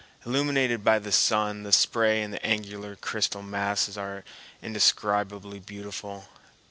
Illumined by the sun, the spray and angular crystal masses are indescribably beautiful.